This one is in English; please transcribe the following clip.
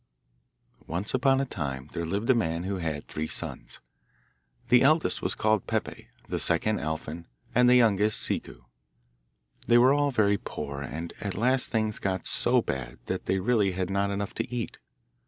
Once upon a time there lived a man who had three sons. The eldest was called Peppe, the second Alfin, and the youngest Ciccu. They were all very poor, and at last things got so bad that they really had not enough to eat.